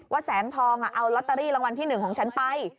แสงทองเอาลอตเตอรี่รางวัลที่๑ของฉันไป